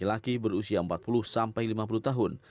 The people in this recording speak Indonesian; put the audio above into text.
laki laki berusia empat puluh sampai lima puluh tahun